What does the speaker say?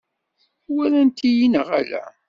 Walant-iyi neɣ ala?